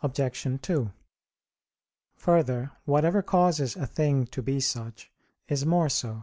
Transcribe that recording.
Obj. 2: Further, whatever causes a thing to be such is more so.